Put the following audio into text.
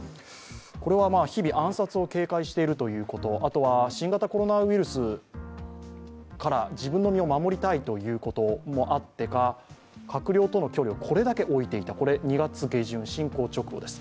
これは日々、暗殺を警戒しているということ、あとは新型コロナウイルスから自分の身を守りたいということもあってか閣僚との距離をこれだけ置いていた、これは２月下旬、侵攻直後です。